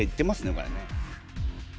これね。